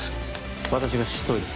私が執刀医です